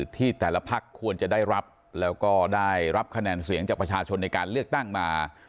ที่แต่ละพักควรจะได้รับแล้วก็ได้รับคะแนนเสียงจากประชาชนในการเลือกตั้งมา